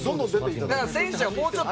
選手はもうちょっと。